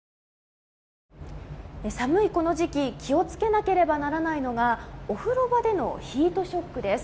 寒いこの時期気を付けなければならないのがお風呂場でのヒートショックです。